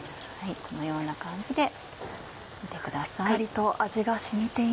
このような感じで煮てください。